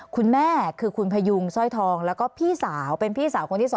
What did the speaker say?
คุณแม่คือคุณพยุงสร้อยทองแล้วก็พี่สาวเป็นพี่สาวคนที่๒